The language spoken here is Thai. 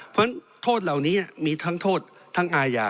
เพราะฉะนั้นโทษเหล่านี้มีทั้งสิ่งที่ผิดกฎหมายใหญ่นะครับ